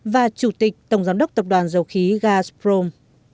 và chủ tịch tổng giám đốc tập đoàn dầu khí gaprom